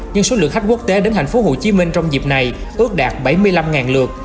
nhưng số lượng khách quốc tế đến tp hcm trong dịp này ước đạt bảy mươi năm lượt